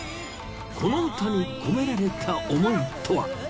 この歌に込められた思いとは。